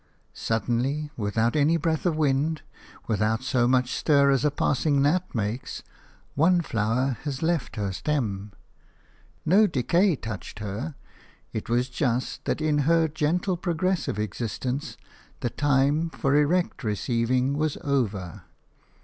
Suddenly, without any breath of wind, without so much stir as a passing gnat makes, one flower has left her stem. No decay touched her; it was just that in her gently progressive existence the time for erect receiving was over.